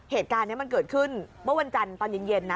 เหตุการณ์นี้มันเกิดขึ้นเมื่อวันจันทร์ตอนเย็นนะ